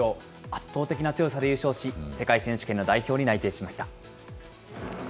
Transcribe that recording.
圧倒的な強さで優勝し、世界選手権の代表に内定しました。